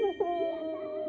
やった！